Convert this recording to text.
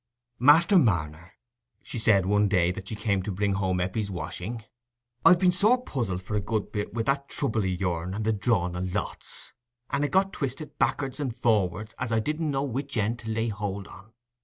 "Master Marner," she said, one day that she came to bring home Eppie's washing, "I've been sore puzzled for a good bit wi' that trouble o' yourn and the drawing o' lots; and it got twisted back'ards and for'ards, as I didn't know which end to lay hold on.